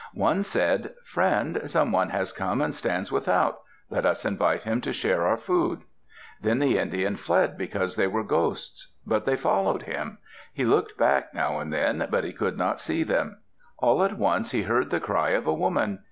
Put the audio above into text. One said, "Friend, someone has come and stands without. Let us invite him to share our food." Then the Indian fled because they were ghosts. But they followed him. He looked back now and then, but he could not see them. All at once he heard the cry of a woman.